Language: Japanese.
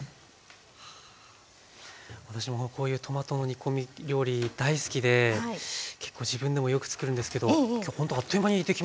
私もこういうトマトの煮込み料理大好きで結構自分でもよくつくるんですけど今日ほんとあっという間にできますね。